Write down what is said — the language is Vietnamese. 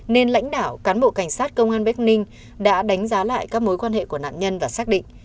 nên lãnh đạo cán bộ cảnh sát công an bắc ninh đã đánh giá lại các mối quan hệ của nạn nhân và xác định